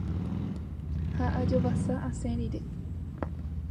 ha ajovasa asẽ rire